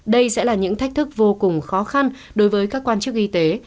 đây sẽ là những thách thức vô cùng khó khăn đối với các quan chức y tế